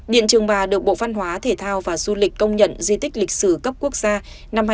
điện trường bà được bộ văn hóa thể thao và du lịch công nhận di tích lịch sử cấp quốc gia năm hai nghìn một mươi chín